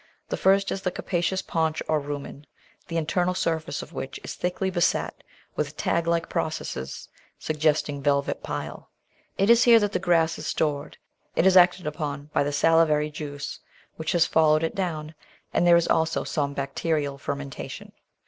The first is the capacious paunch or rumen, the internal surface of which is thickly beset with tag like processes, suggesting velvet pile. It is here that the grass is stored ; it is acted upon by the salivary juice which has followed it down, and there is also some bacterial fermentation.